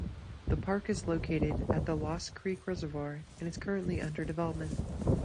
The park is located at the Lost Creek Reservoir and is currently under development.